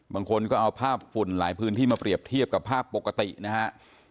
บางคนก็เอาภาพฝุ่นหลายพื้นที่มาเปรียบเทียบกับภาพปกตินะฮะ